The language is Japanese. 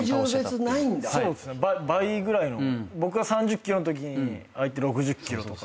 僕が３０ｋｇのときに相手６０ｋｇとかありましたね。